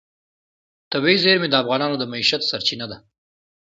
طبیعي زیرمې د افغانانو د معیشت سرچینه ده.